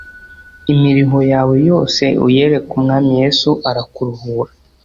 Imiruho yawe yose uyereke umwami yesu arakuruhura